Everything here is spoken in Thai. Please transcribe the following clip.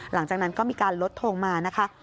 หลังจากนั้นก็มีการลดทงมานะคะ